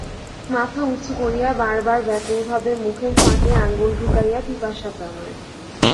মাথা উচু করিয়া বারবার ব্যাকুলভাবে মুখের ফাঁকে আঙুল ঢুকাইয়া পিপাসা জানায়।